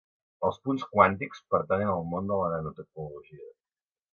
Els punts quàntics pertanyen al món de la nanotecnologia.